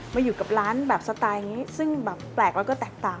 มาอยู่กับร้านแบบสไตล์นี้ซึ่งแบบแปลกแล้วก็แตกต่าง